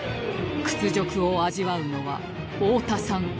屈辱を味わうのは太田さんか？